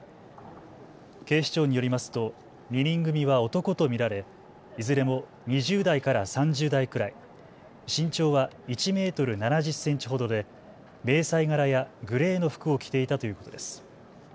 警視庁によりますと２人組は男と見られいずれも２０代から３０代くらい、身長は１メートル７０センチほどで迷彩柄やグレーの服を着ていたということです。